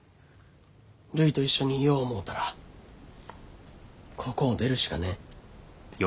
るいと一緒にいよう思うたらここを出るしかねえ。